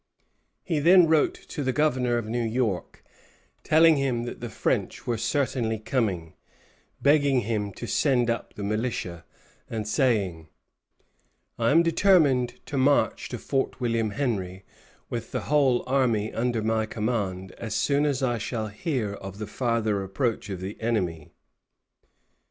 He then wrote to the Governor of New York, telling him that the French were certainly coming, begging him to send up the militia, and saying: "I am determined to march to Fort William Henry with the whole army under my command as soon as I shall hear of the farther approach of the enemy."